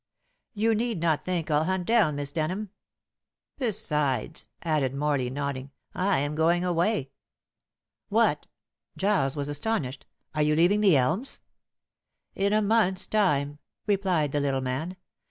You need not think I'll hunt down Miss Denham. Besides," added Morley, nodding, "I am going away." "What!" Giles was astonished. "Are you leaving The Elms?" "In a month's time," replied the little man.